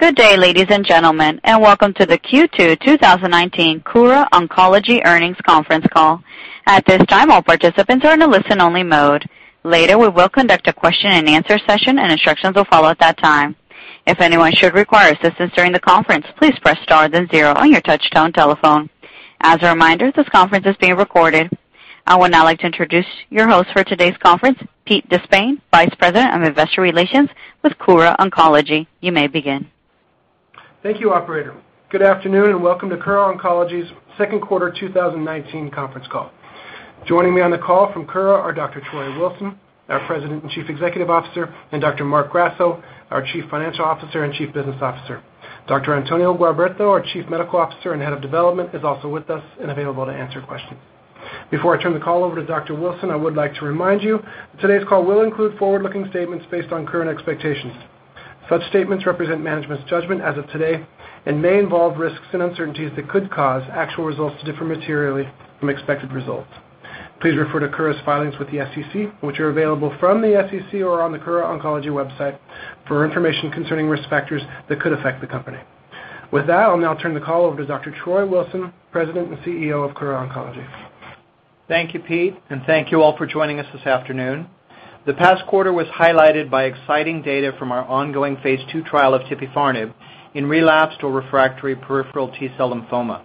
Good day, ladies and gentlemen, and welcome to the Q2 2019 Kura Oncology earnings conference call. At this time, all participants are in a listen-only mode. Later, we will conduct a question-and-answer session, and instructions will follow at that time. If anyone should require assistance during the conference, please press star then zero on your touch-tone telephone. As a reminder, this conference is being recorded. I would now like to introduce your host for today's conference, Pete DeSpain, Vice President of Investor Relations with Kura Oncology. You may begin. Thank you, operator. Good afternoon, and welcome to Kura Oncology's second quarter 2019 conference call. Joining me on the call from Kura are Dr. Troy Wilson, our President and Chief Executive Officer, and Dr. Marc Grasso, our Chief Financial Officer and Chief Business Officer. Dr. Antonio Gualberto, our Chief Medical Officer and Head of Development, is also with us and available to answer questions. Before I turn the call over to Dr. Wilson, I would like to remind you that today's call will include forward-looking statements based on current expectations. Such statements represent management's judgment as of today and may involve risks and uncertainties that could cause actual results to differ materially from expected results. Please refer to Kura's filings with the SEC, which are available from the SEC or on the kuraoncology website, for information concerning risk factors that could affect the company. I'll now turn the call over to Dr. Troy Wilson, President and CEO of Kura Oncology. Thank you, Pete, and thank you all for joining us this afternoon. The past quarter was highlighted by exciting data from our ongoing phase II trial of tipifarnib in relapsed or refractory peripheral T-cell lymphoma.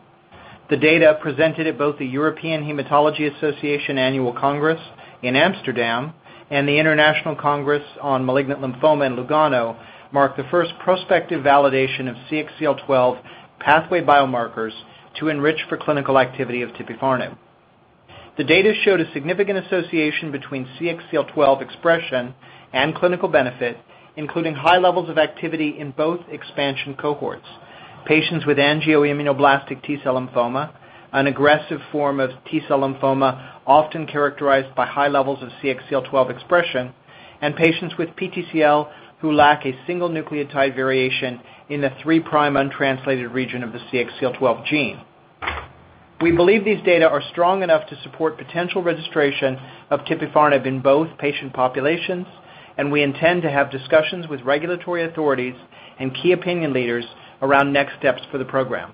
The data presented at both the European Hematology Association Annual Congress in Amsterdam and the International Conference on Malignant Lymphoma in Lugano marked the first prospective validation of CXCL12 pathway biomarkers to enrich for clinical activity of tipifarnib. The data showed a significant association between CXCL12 expression and clinical benefit, including high levels of activity in both expansion cohorts. Patients with angioimmunoblastic T-cell lymphoma, an aggressive form of T-cell lymphoma often characterized by high levels of CXCL12 expression, and patients with PTCL who lack a single nucleotide variation in the three prime untranslated region of the CXCL12 gene. We believe these data are strong enough to support potential registration of tipifarnib in both patient populations. We intend to have discussions with regulatory authorities and key opinion leaders around next steps for the program.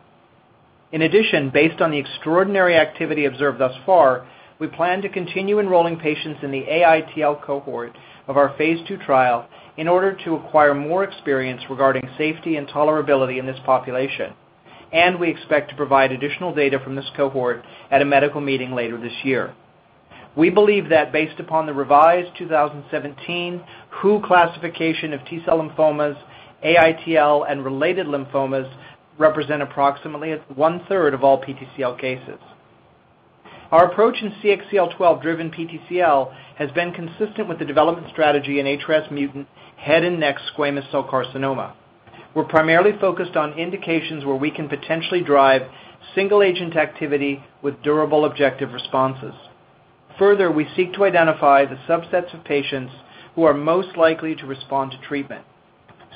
In addition, based on the extraordinary activity observed thus far, we plan to continue enrolling patients in the AITL cohort of our phase II trial in order to acquire more experience regarding safety and tolerability in this population. We expect to provide additional data from this cohort at a medical meeting later this year. We believe that based upon the revised 2017 WHO classification of T-cell lymphomas, AITL and related lymphomas represent approximately one-third of all PTCL cases. Our approach in CXCL12-driven PTCL has been consistent with the development strategy in HRAS-mutant head and neck squamous cell carcinoma. We're primarily focused on indications where we can potentially drive single-agent activity with durable objective responses. Further, we seek to identify the subsets of patients who are most likely to respond to treatment.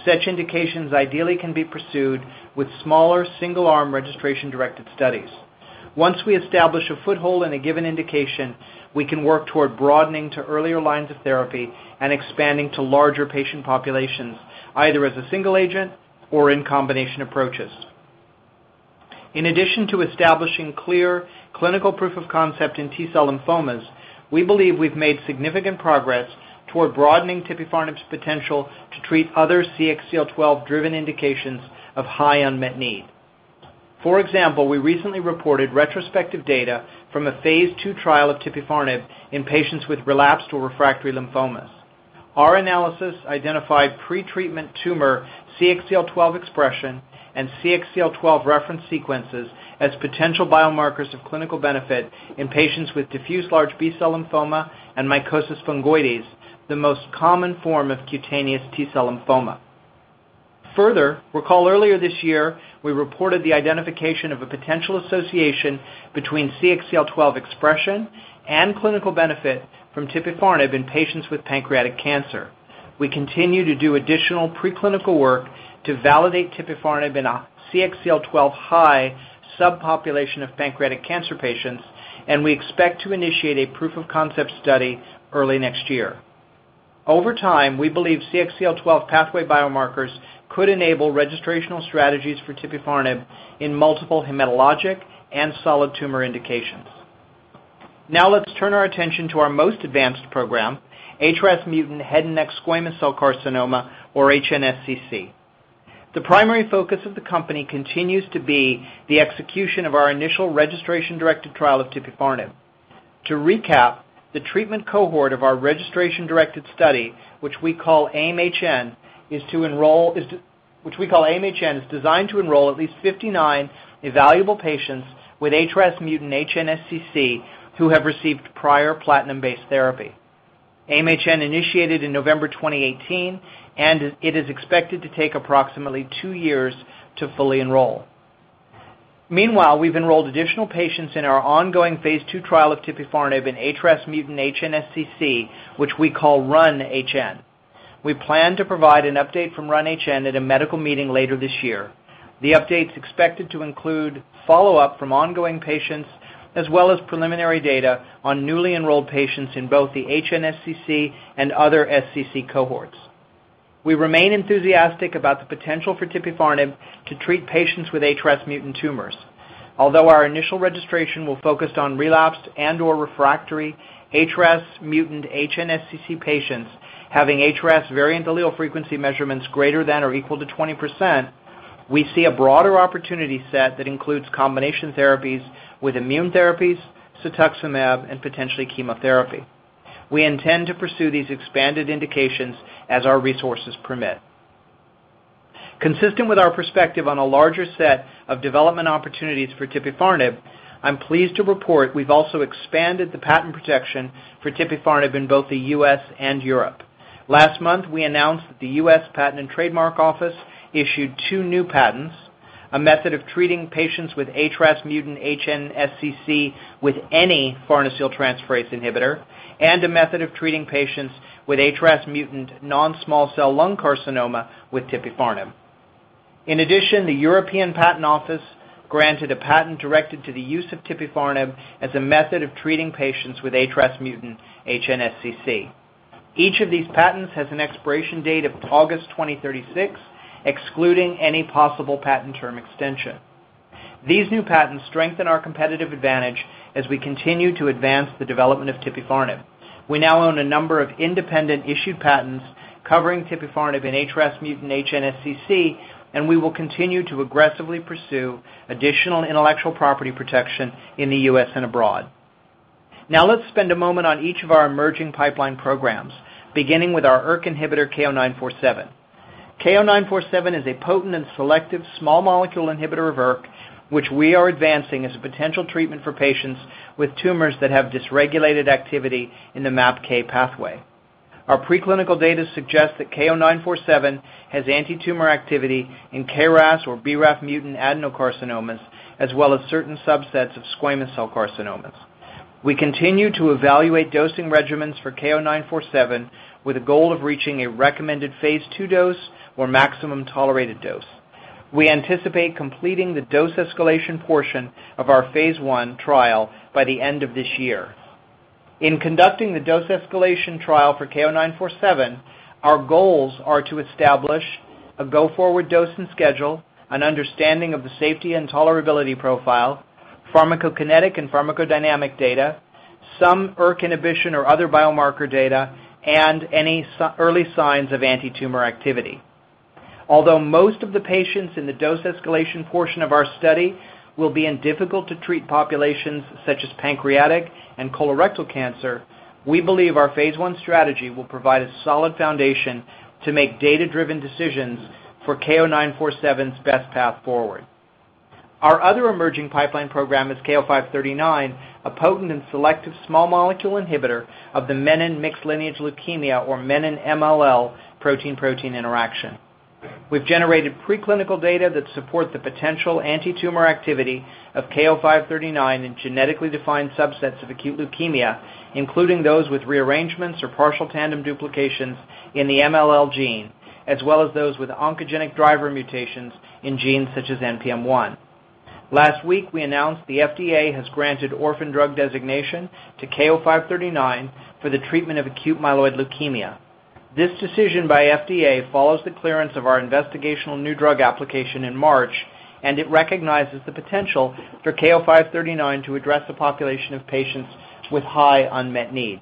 Such indications ideally can be pursued with smaller single-arm registration-directed studies. Once we establish a foothold in a given indication, we can work toward broadening to earlier lines of therapy and expanding to larger patient populations, either as a single agent or in combination approaches. In addition to establishing clear clinical proof of concept in T-cell lymphomas, we believe we've made significant progress toward broadening tipifarnib's potential to treat other CXCL12-driven indications of high unmet need. For example, we recently reported retrospective data from a phase II trial of tipifarnib in patients with relapsed or refractory lymphomas. Our analysis identified pretreatment tumor CXCL12 expression and CXCL12 reference sequences as potential biomarkers of clinical benefit in patients with diffuse large B-cell lymphoma and mycosis fungoides, the most common form of cutaneous T-cell lymphoma. Further, recall earlier this year, we reported the identification of a potential association between CXCL12 expression and clinical benefit from tipifarnib in patients with pancreatic cancer. We continue to do additional preclinical work to validate tipifarnib in a CXCL12-high subpopulation of pancreatic cancer patients, and we expect to initiate a proof of concept study early next year. Over time, we believe CXCL12 pathway biomarkers could enable registrational strategies for tipifarnib in multiple hematologic and solid tumor indications. Let's turn our attention to our most advanced program, HRAS-mutant head and neck squamous cell carcinoma, or HNSCC. The primary focus of the company continues to be the execution of our initial registration-directed trial of tipifarnib. To recap, the treatment cohort of our registration-directed study, which we call AIM-HN, is designed to enroll at least 59 evaluable patients with HRAS mutant HNSCC who have received prior platinum-based therapy. AIM-HN initiated in November 2018, it is expected to take approximately two years to fully enroll. Meanwhile, we've enrolled additional patients in our ongoing phase II trial of tipifarnib in HRAS-mutant HNSCC, which we call RUN-HN. We plan to provide an update from RUN-HN at a medical meeting later this year. The update's expected to include follow-up from ongoing patients, as well as preliminary data on newly enrolled patients in both the HNSCC and other SCC cohorts. We remain enthusiastic about the potential for tipifarnib to treat patients with HRAS-mutant tumors. Although our initial registration will focus on relapsed and/or refractory HRAS-mutant HNSCC patients having HRAS variant allele frequency measurements greater than or equal to 20%, we see a broader opportunity set that includes combination therapies with immune therapies, cetuximab, and potentially chemotherapy. We intend to pursue these expanded indications as our resources permit. Consistent with our perspective on a larger set of development opportunities for tipifarnib, I'm pleased to report we've also expanded the patent protection for tipifarnib in both the U.S. and Europe. Last month, we announced that the U.S. Patent and Trademark Office issued two new patents, a method of treating patients with HRAS-mutant HNSCC with any farnesyltransferase inhibitor, and a method of treating patients with HRAS-mutant non-small cell lung carcinoma with tipifarnib. The European Patent Office granted a patent directed to the use of tipifarnib as a method of treating patients with HRAS-mutant HNSCC. Each of these patents has an expiration date of August 2036, excluding any possible patent term extension. These new patents strengthen our competitive advantage as we continue to advance the development of tipifarnib. We now own a number of independent issued patents covering tipifarnib in HRAS-mutant HNSCC, and we will continue to aggressively pursue additional intellectual property protection in the U.S. and abroad. Now let's spend a moment on each of our emerging pipeline programs, beginning with our ERK inhibitor KO-947. KO-947 is a potent and selective small molecule inhibitor of ERK, which we are advancing as a potential treatment for patients with tumors that have dysregulated activity in the MAPK pathway. Our preclinical data suggest that KO-947 has anti-tumor activity in KRAS or BRAF mutant adenocarcinomas, as well as certain subsets of squamous cell carcinomas. We continue to evaluate dosing regimens for KO-947 with a goal of reaching a recommended phase II dose or maximum tolerated dose. We anticipate completing the dose escalation portion of our phase I trial by the end of this year. In conducting the dose escalation trial for KO-947, our goals are to establish a go-forward dose and schedule, an understanding of the safety and tolerability profile, pharmacokinetic and pharmacodynamic data, some ERK inhibition or other biomarker data, and any early signs of anti-tumor activity. Although most of the patients in the dose escalation portion of our study will be in difficult-to-treat populations such as pancreatic and colorectal cancer, we believe our phase I strategy will provide a solid foundation to make data-driven decisions for KO-947's best path forward. Our other emerging pipeline program is KO-539, a potent and selective small molecule inhibitor of the Menin mixed lineage leukemia or Menin-MLL protein-protein interaction. We've generated preclinical data that support the potential anti-tumor activity of KO-539 in genetically defined subsets of acute leukemia, including those with rearrangements or partial tandem duplications in the MLL gene, as well as those with oncogenic driver mutations in genes such as NPM1. Last week, we announced the FDA has granted orphan drug designation to KO-539 for the treatment of acute myeloid leukemia. This decision by FDA follows the clearance of our investigational new drug application in March, and it recognizes the potential for KO-539 to address the population of patients with high unmet need.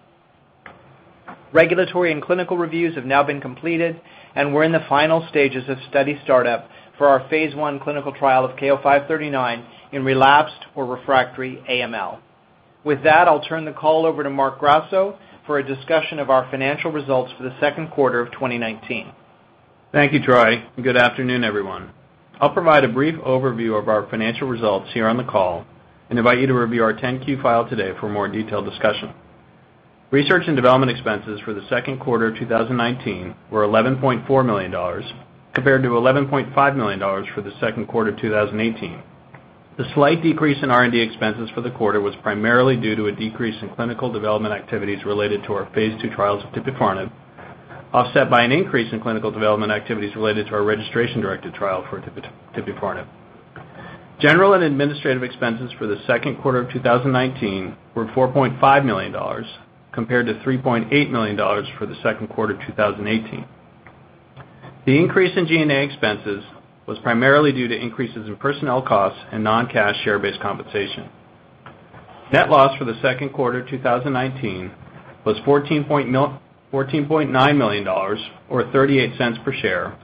Regulatory and clinical reviews have now been completed, and we're in the final stages of study startup for our phase I clinical trial of KO-539 in relapsed or refractory AML. With that, I'll turn the call over to Marc Grasso for a discussion of our financial results for the second quarter of 2019. Thank you, Troy, good afternoon, everyone. I'll provide a brief overview of our financial results here on the call and invite you to review our 10-Q file today for a more detailed discussion. Research and development expenses for the second quarter of 2019 were $11.4 million compared to $11.5 million for the second quarter of 2018. The slight decrease in R&D expenses for the quarter was primarily due to a decrease in clinical development activities related to our phase II trials of tipifarnib, offset by an increase in clinical development activities related to our registration-directed trial for tipifarnib. General and administrative expenses for the second quarter of 2019 were $4.5 million, compared to $3.8 million for the second quarter of 2018. The increase in G&A expenses was primarily due to increases in personnel costs and non-cash share-based compensation. Net loss for the second quarter of 2019 was $14.9 million, or $0.38 per share,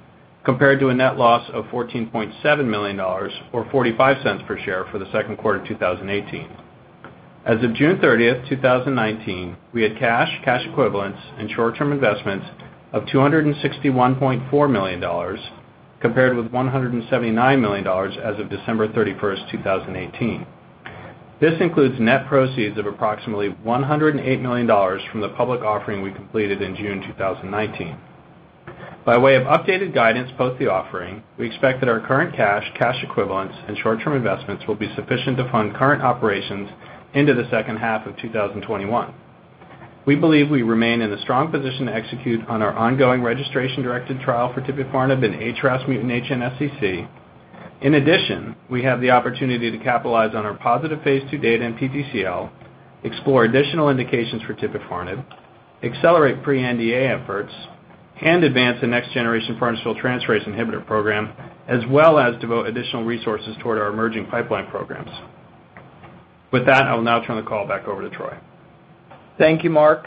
compared to a net loss of $14.7 million, or $0.45 per share for the second quarter of 2018. As of June 30th, 2019, we had cash equivalents, and short-term investments of $261.4 million, compared with $179 million as of December 31st, 2018. This includes net proceeds of approximately $108 million from the public offering we completed in June 2019. By way of updated guidance post the offering, we expect that our current cash equivalents, and short-term investments will be sufficient to fund current operations into the second half of 2021. We believe we remain in a strong position to execute on our ongoing registration-directed trial for tipifarnib in HRAS mutant HNSCC. We have the opportunity to capitalize on our positive phase II data in PTCL, explore additional indications for tipifarnib, accelerate pre-NDA efforts, and advance the next generation farnesyltransferase inhibitor program, as well as devote additional resources toward our emerging pipeline programs. With that, I will now turn the call back over to Troy. Thank you, Marc.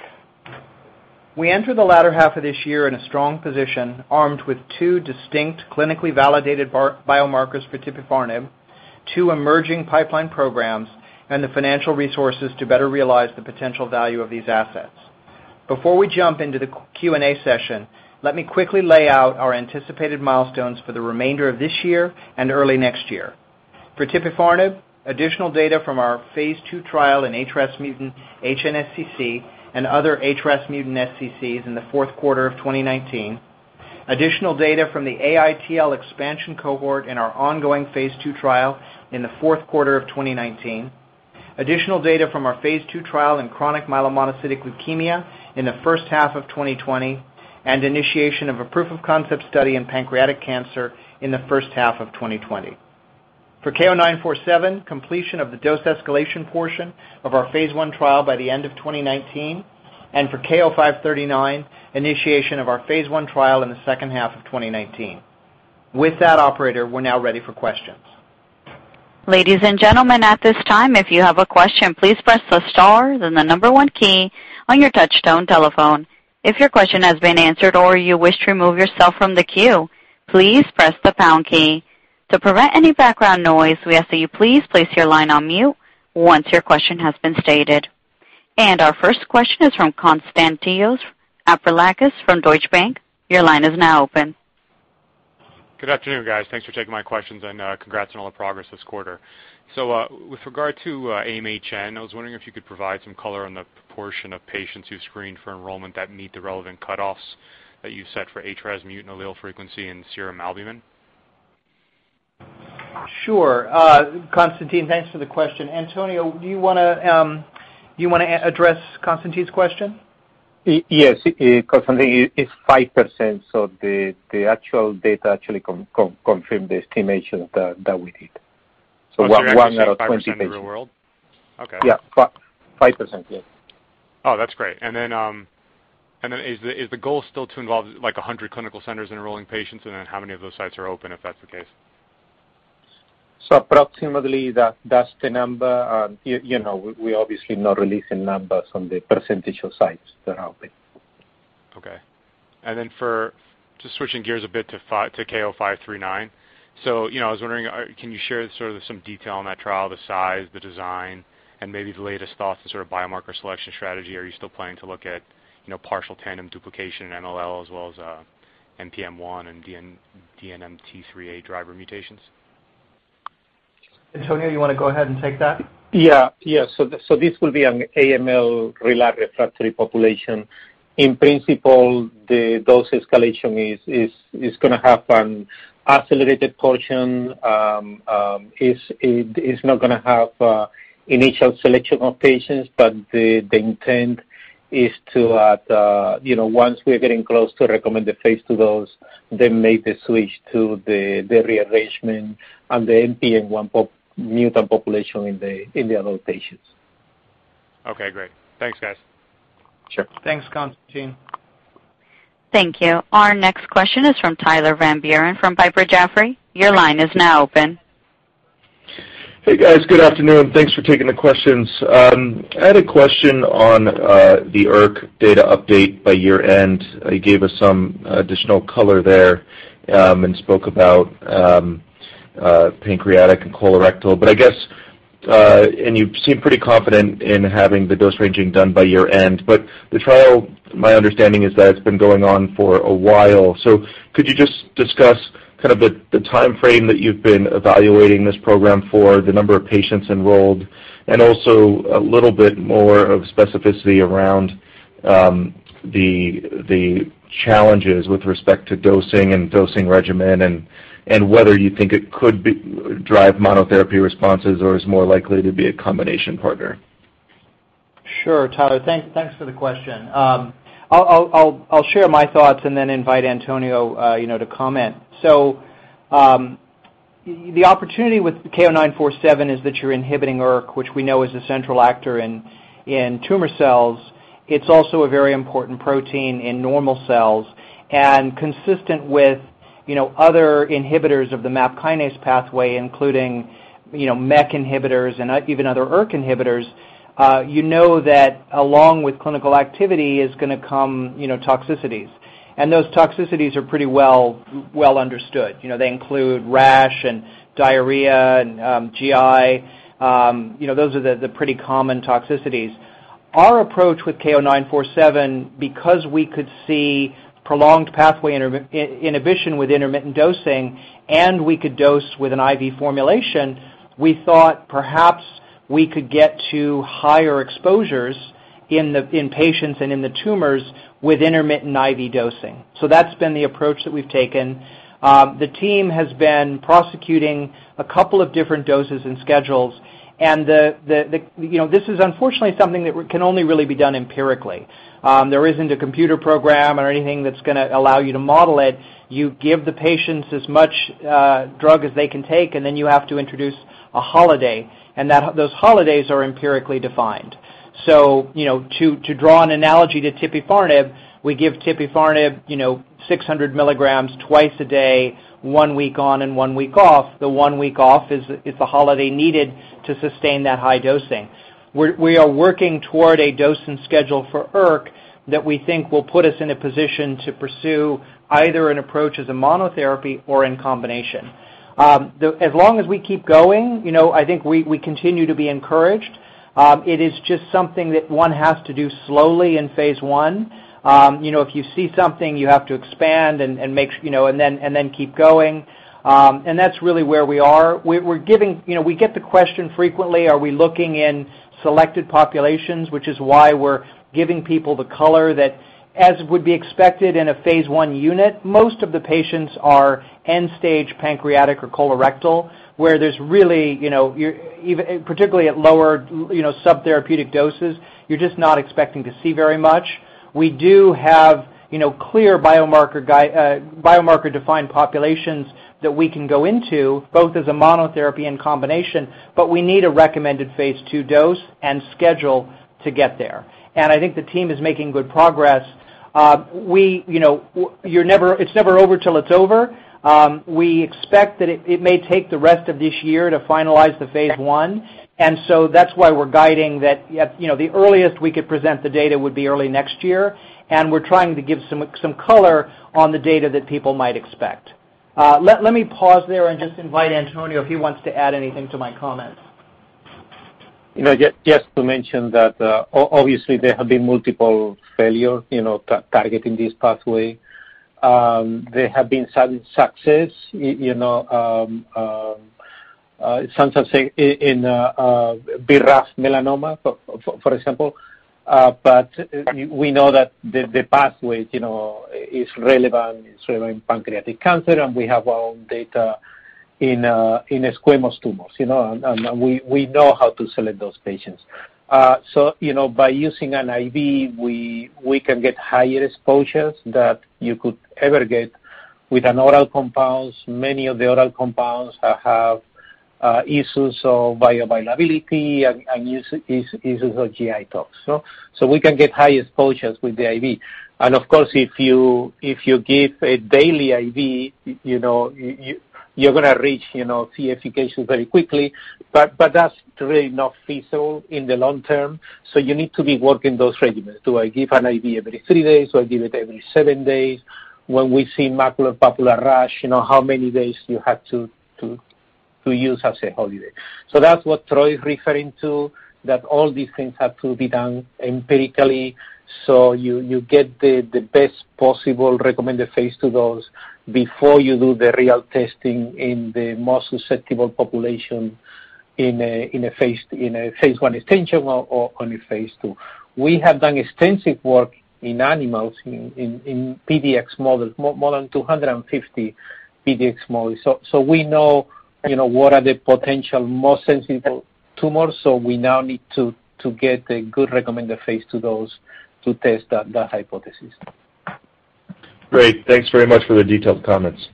We enter the latter half of this year in a strong position, armed with two distinct clinically validated biomarkers for tipifarnib, two emerging pipeline programs, and the financial resources to better realize the potential value of these assets. Before we jump into the Q&A session, let me quickly lay out our anticipated milestones for the remainder of this year and early next year. For tipifarnib, additional data from our phase II trial in HRAS mutant HNSCC and other HRAS mutant SCCs in the fourth quarter of 2019. Additional data from the AITL expansion cohort in our ongoing phase II trial in the fourth quarter of 2019. Additional data from our phase II trial in chronic myelomonocytic leukemia in the first half of 2020, and initiation of a proof of concept study in pancreatic cancer in the first half of 2020. For KO-947, completion of the dose escalation portion of our phase I trial by the end of 2019. For KO-539, initiation of our phase I trial in the second half of 2019. With that operator, we're now ready for questions. Ladies and gentlemen, at this time, if you have a question, please press the star then the number 1 key on your touchtone telephone. If your question has been answered or you wish to remove yourself from the queue, please press the pound key. To prevent any background noise, we ask that you please place your line on mute once your question has been stated. Our first question is from Konstantinos Fralakis from Deutsche Bank. Your line is now open. Good afternoon, guys. Thanks for taking my questions, and congrats on all the progress this quarter. With regard to AIM-HN, I was wondering if you could provide some color on the proportion of patients who screened for enrollment that meet the relevant cutoffs that you set for HRAS mutant allele frequency and serum albumin. Sure. Konstantinos, thanks for the question. Antonio, do you want to address Konstantinos' question? Yes, Konstantinos, it's 5%, so the actual data actually confirm the estimation that we did. One out of 20 patients. You're actually seeing 5% in the real world? Okay. Yeah. 5%, yes. Oh, that's great. Is the goal still to involve like 100 clinical centers enrolling patients? How many of those sites are open, if that's the case? Approximately that's the number. We're obviously not releasing numbers on the percentage of sites that are open. Okay. Just switching gears a bit to KO-539. I was wondering, can you share sort of some detail on that trial, the size, the design, and maybe the latest thoughts to sort of biomarker selection strategy? Are you still planning to look at partial tandem duplication in MLL as well as NPM1 and DNMT3A driver mutations? Antonio, you want to go ahead and take that? Yeah. This will be an AML relapsed refractory population. In principle, the dose escalation is going to have an accelerated portion. It's not going to have initial selection of patients, but the intent is to, once we are getting close to recommend the Phase II dose, then make the switch to the rearrangement and the NPM1 mutant population in the adult patients. Okay, great. Thanks, guys. Sure. Thanks, Konstantinos. Thank you. Our next question is from Tyler Van Buren from Piper Jaffray. Your line is now open. Hey, guys. Good afternoon. Thanks for taking the questions. I had a question on the ERK data update by year-end. You gave us some additional color there, spoke about pancreatic and colorectal. You seem pretty confident in having the dose ranging done by year-end, but the trial, my understanding is that it's been going on for a while. Could you just discuss kind of the timeframe that you've been evaluating this program for, the number of patients enrolled, and also a little bit more of specificity around the challenges with respect to dosing and dosing regimen and whether you think it could drive monotherapy responses or is more likely to be a combination partner? Sure. Tyler, thanks for the question. I'll share my thoughts and then invite Antonio to comment. The opportunity with KO-947 is that you're inhibiting ERK, which we know is a central actor in tumor cells. It's also a very important protein in normal cells. Consistent with other inhibitors of the MAP kinase pathway, including MEK inhibitors and even other ERK inhibitors, you know that along with clinical activity is going to come toxicities, and those toxicities are pretty well understood. They include rash and diarrhea and GI. Those are the pretty common toxicities. Our approach with KO-947, because we could see prolonged pathway inhibition with intermittent dosing, and we could dose with an IV formulation, we thought perhaps we could get to higher exposures in patients and in the tumors with intermittent IV dosing. That's been the approach that we've taken. The team has been prosecuting a couple of different doses and schedules. This is unfortunately something that can only really be done empirically. There isn't a computer program or anything that's going to allow you to model it. You give the patients as much drug as they can take, and then you have to introduce a holiday, and those holidays are empirically defined. To draw an analogy to tipifarnib, we give tipifarnib 600 milligrams twice a day, one week on and one week off. The one week off is the holiday needed to sustain that high dosing. We are working toward a dosing schedule for ERK that we think will put us in a position to pursue either an approach as a monotherapy or in combination. As long as we keep going, I think we continue to be encouraged. It is just something that one has to do slowly in phase I. If you see something, you have to expand and then keep going. That's really where we are. We get the question frequently, are we looking in selected populations, which is why we're giving people the color that as would be expected in a phase I unit, most of the patients are end-stage pancreatic or colorectal, where there's really, particularly at lower subtherapeutic doses, you're just not expecting to see very much. We do have clear biomarker-defined populations that we can go into, both as a monotherapy and combination, but we need a recommended phase II dose and schedule to get there. I think the team is making good progress. It's never over till it's over. We expect that it may take the rest of this year to finalize the phase I. That's why we're guiding that the earliest we could present the data would be early next year, and we're trying to give some color on the data that people might expect. Let me pause there and just invite Antonio Gualberto if he wants to add anything to my comments. Just to mention that obviously there have been multiple failures targeting this pathway. There have been some success in a BRAF melanoma, for example. We know that the pathway is relevant in pancreatic cancer, and we have our own data in squamous tumors, and we know how to select those patients. By using an IV, we can get higher exposures that you could ever get with an oral compound. Many of the oral compounds have issues of bioavailability and issues of GI tox. We can get high exposures with the IV. Of course, if you give a daily IV, you're going to reach T efficacy very quickly, but that's really not feasible in the long term, so you need to be working those regimens. Do I give an IV every three days or give it every seven days? When we see maculopapular rash, how many days you have to use as a holiday. That's what Troy is referring to, that all these things have to be done empirically so you get the best possible recommended phase II dose before you do the real testing in the most susceptible population in a phase I extension or on a phase II. We have done extensive work in animals, in PDX models, more than 250 PDX models. We know what are the potential most sensitive tumors, so we now need to get a good recommended phase II dose to test that hypothesis. Great. Thanks very much for the detailed comments.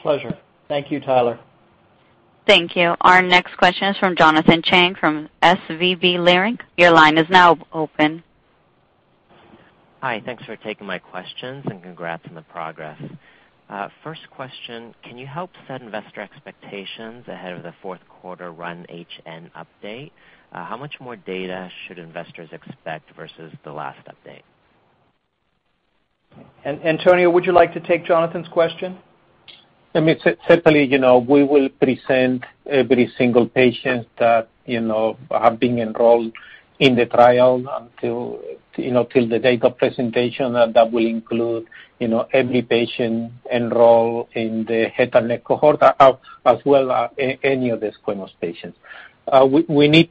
Pleasure. Thank you, Tyler. Thank you. Our next question is from Jonathan Chang from SVB Leerink. Your line is now open. Hi. Thanks for taking my questions. Congrats on the progress. First question, can you help set investor expectations ahead of the fourth quarter RUN-HN update? How much more data should investors expect versus the last update? Antonio, would you like to take Jonathan's question? I mean, certainly, we will present every single patient that have been enrolled in the trial until the date of presentation, and that will include every patient enrolled in the head and neck cohort, as well as any of the squamous patients. Yes, we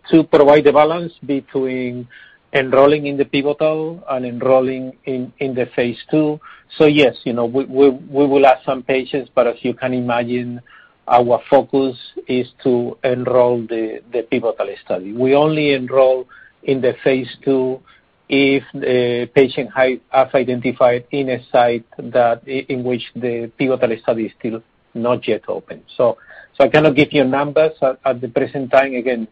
will have some patients, but as you can imagine, our focus is to enroll the pivotal and enrolling in the phase II. We only enroll in the phase II if the patient has identified in a site in which the pivotal study is still not yet open. I cannot give you numbers at the present time. Again,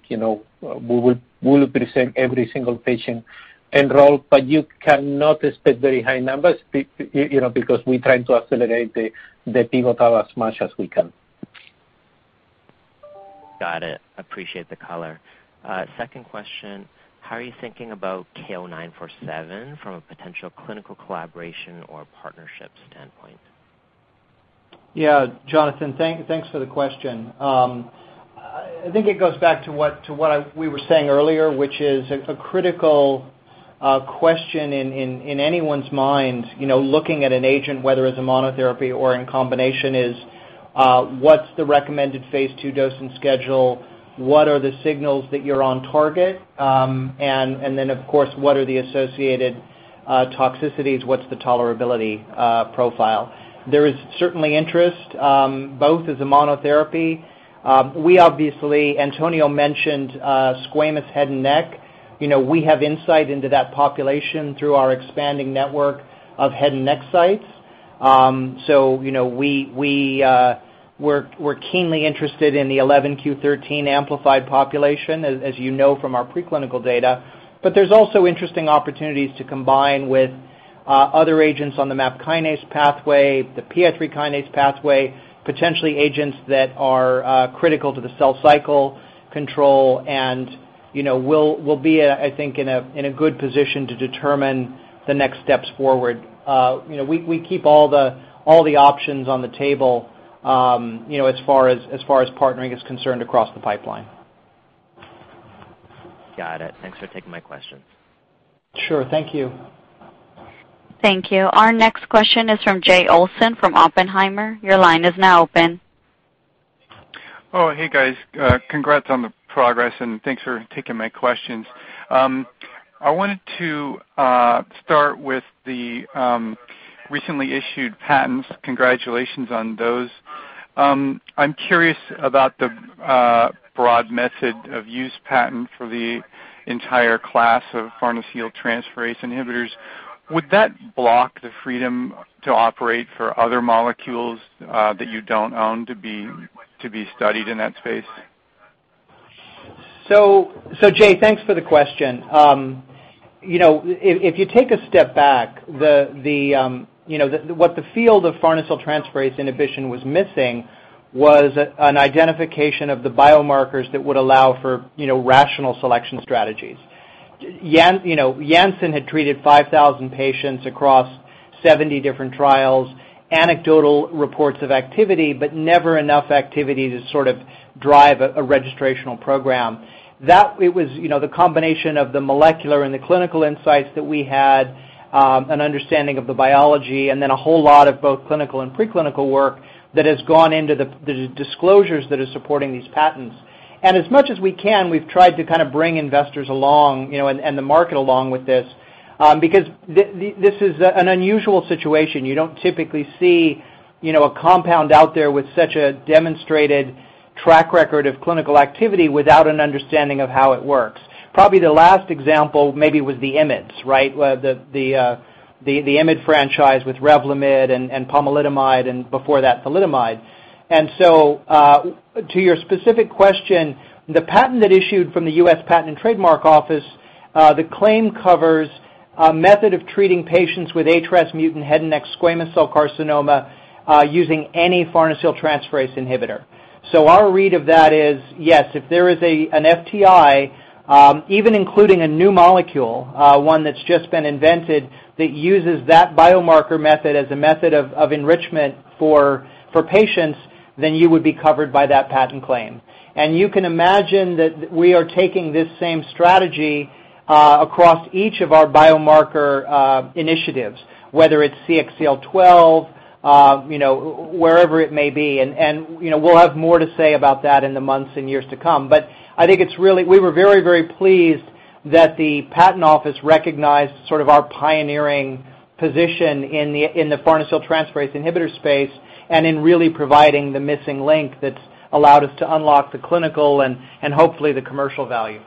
we will present every single patient enrolled, but you cannot expect very high numbers because we try to accelerate the pivotal as much as we can. Got it. Appreciate the color. Second question, how are you thinking about KO-947 from a potential clinical collaboration or partnership standpoint? Yeah. Jonathan, thanks for the question. I think it goes back to what we were saying earlier, which is a critical question in anyone's mind looking at an agent, whether as a monotherapy or in combination, is what's the recommended phase II dose and schedule, what are the signals that you're on target, and then of course, what are the associated toxicities, what's the tolerability profile? There is certainly interest, both as a monotherapy. We obviously, Antonio mentioned squamous head and neck. We have insight into that population through our expanding network of head and neck sites. We're keenly interested in the 11q13 amplified population, as you know from our pre-clinical data. There's also interesting opportunities to combine with other agents on the MAP kinase pathway, the PI3 kinase pathway, potentially agents that are critical to the cell cycle control, and we'll be, I think, in a good position to determine the next steps forward. We keep all the options on the table as far as partnering is concerned across the pipeline. Got it. Thanks for taking my question. Sure. Thank you. Thank you. Our next question is from Jay Olson from Oppenheimer. Your line is now open. Oh, hey, guys. Congrats on the progress, and thanks for taking my questions. I wanted to start with the recently issued patents. Congratulations on those. I'm curious about the broad method of use patent for the entire class of farnesyltransferase inhibitors. Would that block the freedom to operate for other molecules that you don't own to be studied in that space? Jay, thanks for the question. If you take a step back, what the field of farnesyltransferase inhibition was missing was an identification of the biomarkers that would allow for rational selection strategies. Janssen had treated 5,000 patients across 70 different trials, anecdotal reports of activity, but never enough activity to sort of drive a registrational program. It was the combination of the molecular and the clinical insights that we had, an understanding of the biology, and then a whole lot of both clinical and pre-clinical work that has gone into the disclosures that are supporting these patents. As much as we can, we've tried to kind of bring investors along, and the market along with this, because this is an unusual situation. You don't typically see a compound out there with such a demonstrated track record of clinical activity without an understanding of how it works. Probably the last example maybe was the IMiDs, right? The IMiD franchise with REVLIMID and pomalidomide and before that thalidomide. To your specific question, the patent that issued from the U.S. Patent and Trademark Office, the claim covers a method of treating patients with HRAS mutant head and neck squamous cell carcinoma using any farnesyltransferase inhibitor. Our read of that is, yes, if there is an FTI even including a new molecule, one that's just been invented, that uses that biomarker method as a method of enrichment for patients, then you would be covered by that patent claim. You can imagine that we are taking this same strategy across each of our biomarker initiatives, whether it's CXCL12, wherever it may be, we'll have more to say about that in the months and years to come. I think we were very pleased that the patent office recognized sort of our pioneering position in the farnesyltransferase inhibitor space, and in really providing the missing link that's allowed us to unlock the clinical and hopefully the commercial value.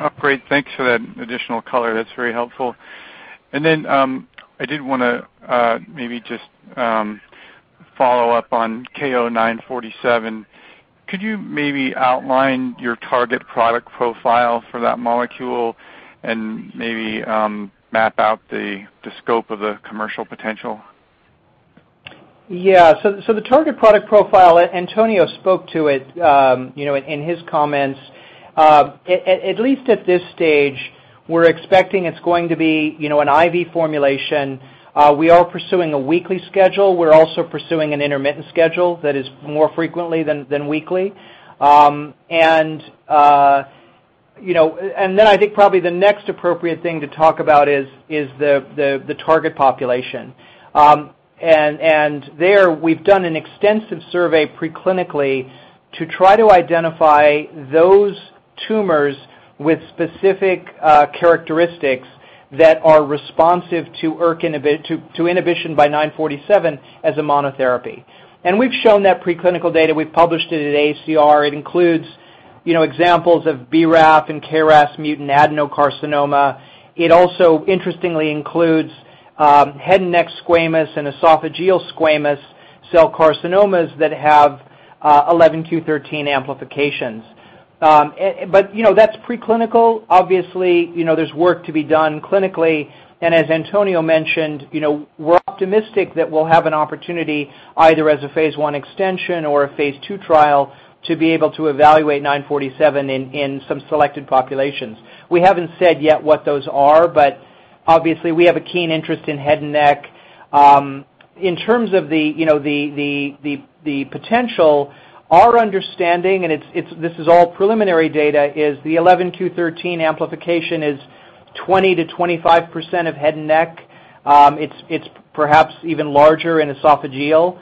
Oh, great. Thanks for that additional color. That's very helpful. I did want to maybe just follow up on KO-947. Could you maybe outline your target product profile for that molecule and maybe map out the scope of the commercial potential? The target product profile, Antonio spoke to it in his comments. At least at this stage, we're expecting it's going to be an IV formulation. We are pursuing a weekly schedule. We're also pursuing an intermittent schedule that is more frequently than weekly. I think probably the next appropriate thing to talk about is the target population. There we've done an extensive survey pre-clinically to try to identify those tumors with specific characteristics that are responsive to inhibition by 947 as a monotherapy. We've shown that pre-clinical data, we've published it at AACR. It includes examples of BRAF- and KRAS-mutant adenocarcinoma. It also interestingly includes head and neck squamous and esophageal squamous cell carcinomas that have 11q13 amplifications. That's pre-clinical. Obviously, there's work to be done clinically, and as Antonio mentioned, we're optimistic that we'll have an opportunity either as a phase I extension or a phase II trial to be able to evaluate 947 in some selected populations. We haven't said yet what those are, obviously we have a keen interest in head and neck. In terms of the potential, our understanding, and this is all preliminary data, is the 11q13 amplification is 20%-25% of head and neck. It's perhaps even larger in esophageal.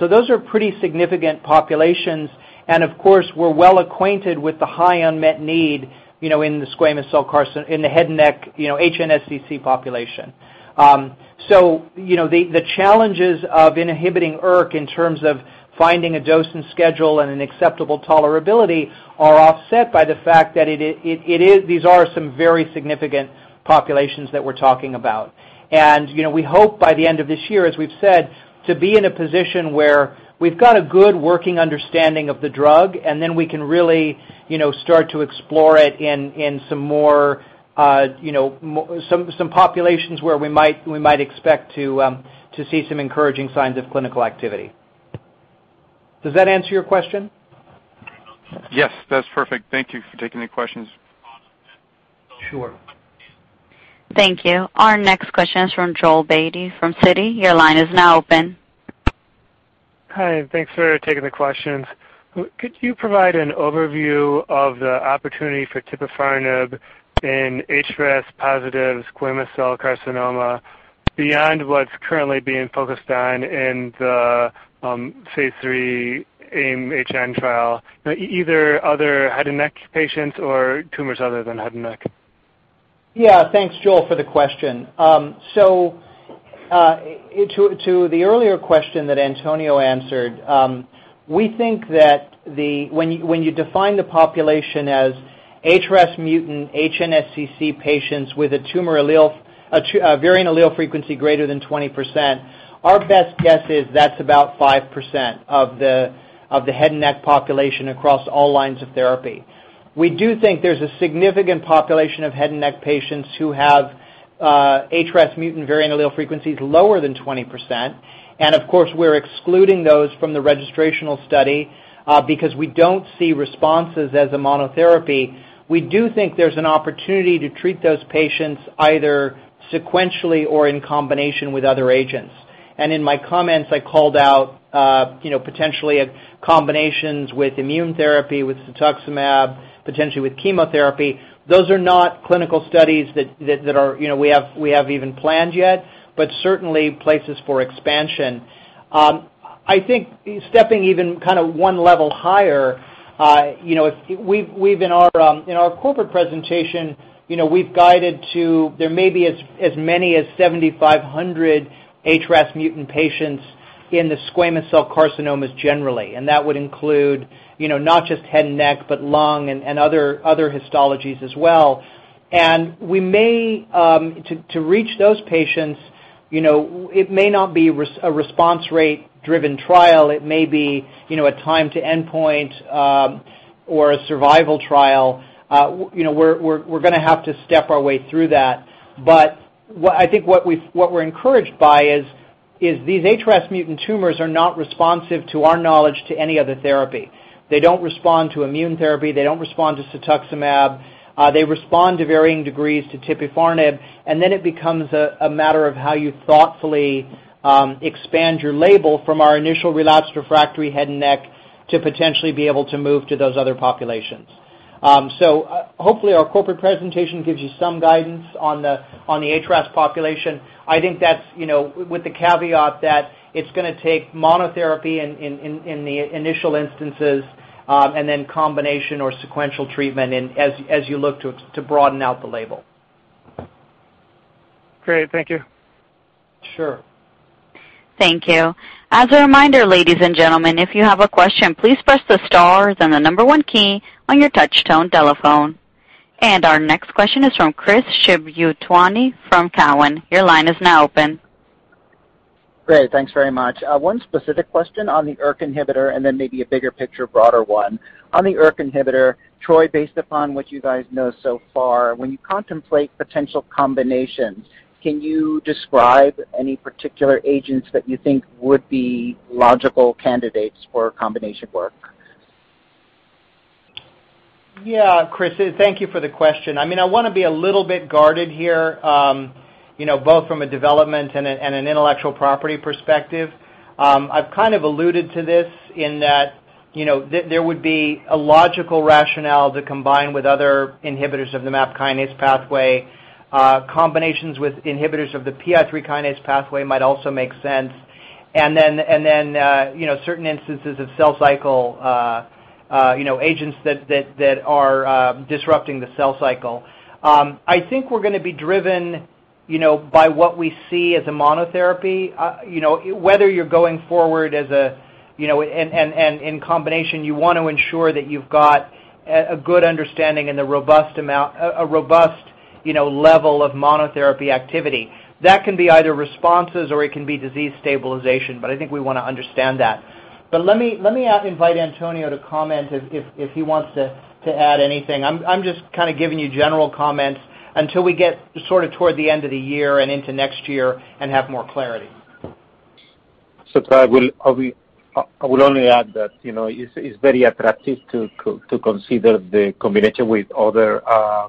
Those are pretty significant populations, and of course, we're well acquainted with the high unmet need in the head and neck, HNSCC population. The challenges of inhibiting ERK in terms of finding a dose and schedule and an acceptable tolerability are offset by the fact that these are some very significant populations that we're talking about. We hope by the end of this year, as we've said, to be in a position where we've got a good working understanding of the drug. We can really start to explore it in some populations where we might expect to see some encouraging signs of clinical activity. Does that answer your question? Yes, that's perfect. Thank you for taking the questions. Sure. Thank you. Our next question is from Joel Beatty from Citi. Your line is now open. Hi, thanks for taking the questions. Could you provide an overview of the opportunity for tipifarnib in HRAS positive squamous cell carcinoma beyond what's currently being focused on in the phase III AIM-HN trial, either other head and neck patients or tumors other than head and neck? Yeah. Thanks, Joel, for the question. To the earlier question that Antonio answered, we think that when you define the population as HRAS mutant HNSCC patients with a variant allele frequency greater than 20%, our best guess is that's about 5% of the head and neck population across all lines of therapy. We do think there's a significant population of head and neck patients who have HRAS mutant variant allele frequencies lower than 20%, and of course, we're excluding those from the registrational study because we don't see responses as a monotherapy. We do think there's an opportunity to treat those patients either sequentially or in combination with other agents. In my comments, I called out potentially combinations with immune therapy, with cetuximab, potentially with chemotherapy. Those are not clinical studies that we have even planned yet, but certainly places for expansion. I think stepping even one level higher, in our corporate presentation, we've guided to there may be as many as 7,500 HRAS mutant patients in the squamous cell carcinomas generally. That would include not just head and neck, but lung and other histologies as well. To reach those patients, it may not be a response rate driven trial. It may be a time to endpoint or a survival trial. We're going to have to step our way through that. I think what we're encouraged by is these HRAS mutant tumors are not responsive, to our knowledge, to any other therapy. They don't respond to immune therapy. They don't respond to cetuximab. They respond to varying degrees to tipifarnib, and then it becomes a matter of how you thoughtfully expand your label from our initial relapsed refractory head and neck to potentially be able to move to those other populations. Hopefully, our corporate presentation gives you some guidance on the HRAS population. I think that's with the caveat that it's going to take monotherapy in the initial instances, and then combination or sequential treatment as you look to broaden out the label. Great. Thank you. Sure. Thank you. As a reminder, ladies and gentlemen, if you have a question, please press the star then the number 1 key on your touch-tone telephone. Our next question is from Chris Shibutani from Cowen. Your line is now open. Great. Thanks very much. One specific question on the ERK inhibitor, and then maybe a bigger picture, broader one. On the ERK inhibitor, Troy, based upon what you guys know so far, when you contemplate potential combinations, can you describe any particular agents that you think would be logical candidates for combination work? Yeah, Chris, thank you for the question. I want to be a little bit guarded here both from a development and an intellectual property perspective. I've kind of alluded to this in that there would be a logical rationale to combine with other inhibitors of the MAP kinase pathway. Combinations with inhibitors of the PI3 kinase pathway might also make sense, and then certain instances of cell cycle agents that are disrupting the cell cycle. I think we're going to be driven by what we see as a monotherapy. Whether you're going forward and in combination, you want to ensure that you've got a good understanding and a robust level of monotherapy activity. That can be either responses or it can be disease stabilization, but I think we want to understand that. Let me invite Antonio to comment if he wants to add anything. I'm just kind of giving you general comments until we get sort of toward the end of the year and into next year and have more clarity. I will only add that it's very attractive to consider the combination with other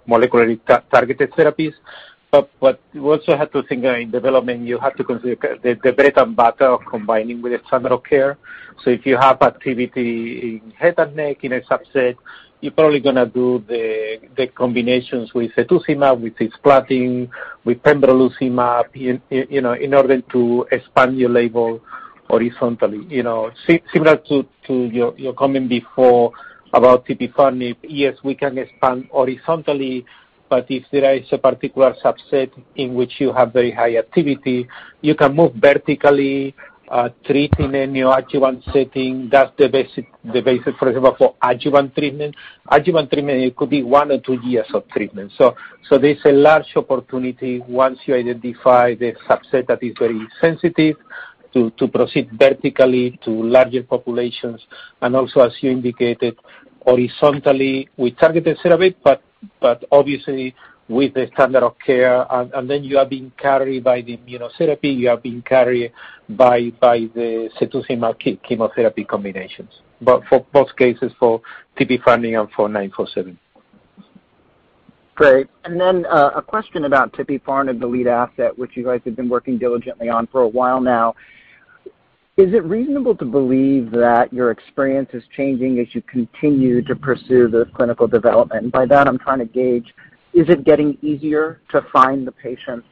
molecularly targeted therapies. You also have to think in development, you have to consider the greater battle of combining with standard of care. If you have activity in head and neck in a subset, you're probably going to do the combinations with cetuximab, with cisplatin, with pembrolizumab, in order to expand your label horizontally. Similar to your comment before about tipifarnib, yes, we can expand horizontally, but if there is a particular subset in which you have very high activity, you can move vertically, treating in your adjuvant setting. That's the basic, for example, for adjuvant treatment. Adjuvant treatment, it could be one or two years of treatment. There's a large opportunity, once you identify the subset that is very sensitive, to proceed vertically to larger populations, and also, as you indicated, horizontally with targeted therapy, but obviously with the standard of care, and then you are being carried by the immunotherapy, you are being carried by the cetuximab chemotherapy combinations. For both cases, for tipifarnib and for KO-947. Great. A question about tipifarnib, the lead asset, which you guys have been working diligently on for a while now. Is it reasonable to believe that your experience is changing as you continue to pursue the clinical development? By that, I'm trying to gauge, is it getting easier to find the patients?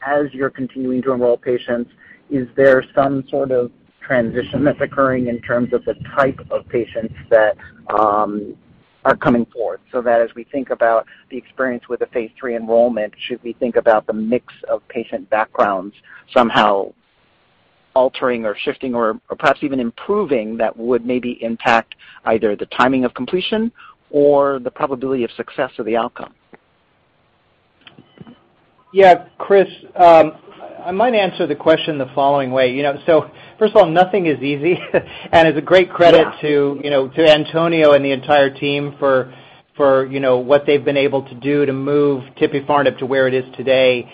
As you're continuing to enroll patients, is there some sort of transition that's occurring in terms of the type of patients that are coming forward? As we think about the experience with the phase III enrollment, should we think about the mix of patient backgrounds somehow altering or shifting or perhaps even improving that would maybe impact either the timing of completion or the probability of success of the outcome? Yeah, Chris, I might answer the question the following way. First of all, nothing is easy and it's a great credit. Yeah. to Antonio and the entire team for what they've been able to do to move tipifarnib to where it is today.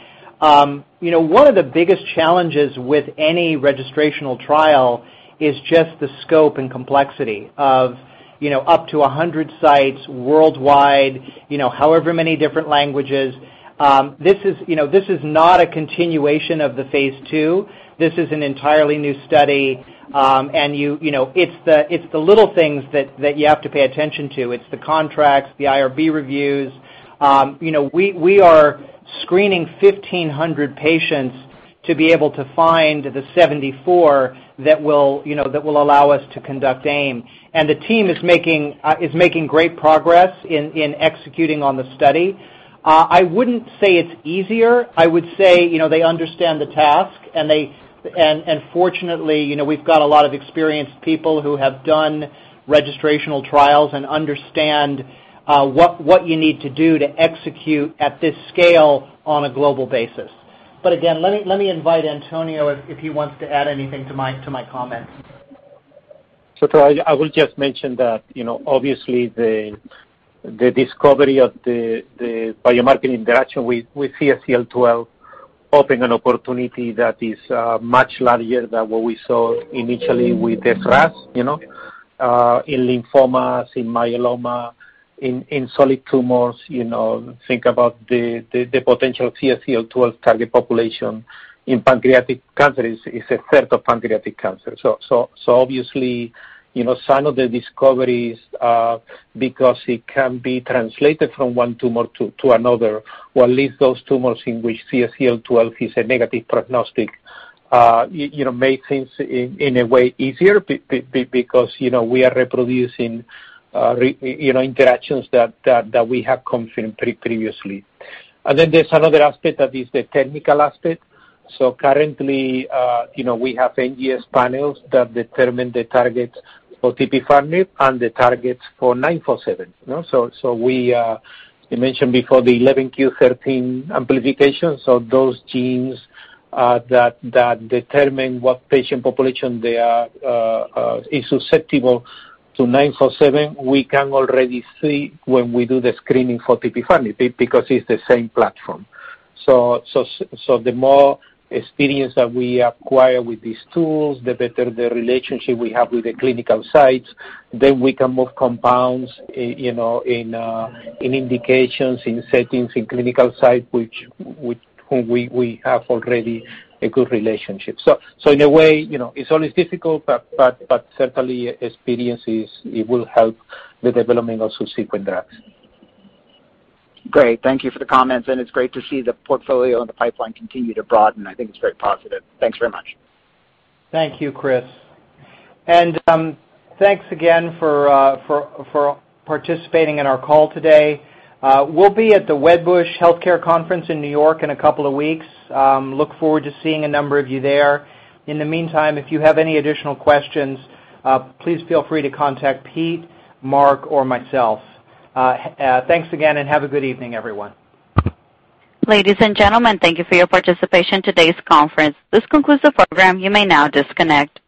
One of the biggest challenges with any registrational trial is just the scope and complexity of up to 100 sites worldwide, however many different languages. This is not a continuation of the phase II. This is an entirely new study. It's the little things that you have to pay attention to. It's the contracts, the IRB reviews. We are screening 1,500 patients to be able to find the 74 that will allow us to conduct AIM. The team is making great progress in executing on the study. I wouldn't say it's easier. I would say they understand the task. Fortunately, we've got a lot of experienced people who have done registrational trials and understand what you need to do to execute at this scale on a global basis. Again, let me invite Antonio Gualberto if he wants to add anything to my comments. I will just mention that, obviously, the discovery of the biomarker interaction with CXCL12 opened an opportunity that is much larger than what we saw initially with the HRAS. In lymphomas, in myeloma, in solid tumors, think about the potential CXCL12 target population in pancreatic cancer is a third of pancreatic cancer. Obviously, some of the discoveries because it can be translated from one tumor to another, or at least those tumors in which CXCL12 is a negative prognostic, make things, in a way, easier because we are reproducing interactions that we have confirmed previously. There's another aspect that is the technical aspect. Currently, we have NGS panels that determine the targets for tipifarnib and the targets for KO-947. We mentioned before the 11q13 amplification. Those genes that determine what patient population is susceptible to KO-947, we can already see when we do the screening for tipifarnib because it's the same platform. The more experience that we acquire with these tools, the better the relationship we have with the clinical sites, then we can move compounds in indications, in settings, in clinical site whom we have already a good relationship. In a way, it's always difficult, but certainly experience will help the development of subsequent drugs. Great. Thank you for the comments, and it's great to see the portfolio and the pipeline continue to broaden. I think it's very positive. Thanks very much. Thank you, Chris Shibutani. Thanks again for participating in our call today. We'll be at the Wedbush Healthcare Conference in New York in a couple of weeks. Look forward to seeing a number of you there. In the meantime, if you have any additional questions, please feel free to contact Pete, Marc or myself. Thanks again, and have a good evening, everyone. Ladies and gentlemen, thank you for your participation in today's conference. This concludes the program. You may now disconnect.